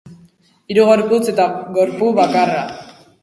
Hiru gorputz eta gorpu bakarra.